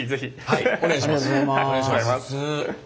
はいお願いします。